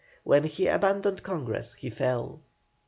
When he abandoned Congress he fell.